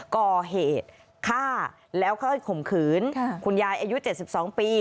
ก่อเหตุฆ่าแล้วก็ข่มขืนค่ะคุณยายอายุเจ็ดสิบสองปี